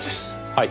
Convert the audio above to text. はい。